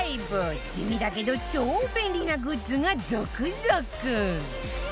地味だけど超便利なグッズが続々